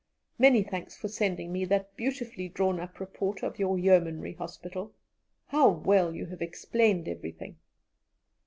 Many thanks for sending me that beautifully drawn up report of your Yeomanry Hospital. How well you have explained everything!